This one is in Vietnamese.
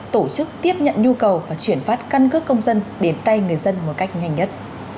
tổ chức tiếp nhận nhu cầu và chuyển phát căn cước công dân đến tay người dân một cách nhanh nhất